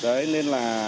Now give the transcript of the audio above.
đấy nên là